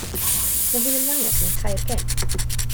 Mae hi'n ymddangos mewn tair gêm.